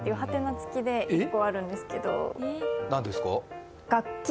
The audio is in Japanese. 」付きで１個あるんですけど、楽器？